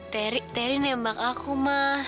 terry terry nembak aku mah